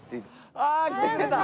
ああ来てくれた！